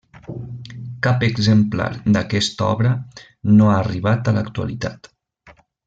Cap exemplar d'aquesta obra no ha arribat a l'actualitat.